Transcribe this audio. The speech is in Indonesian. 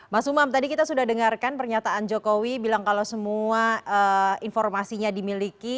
mas umam tadi kita sudah dengarkan pernyataan jokowi bilang kalau semua informasinya dimiliki